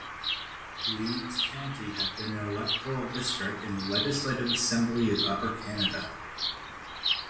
Leeds County had been an electoral district in the Legislative Assembly of Upper Canada.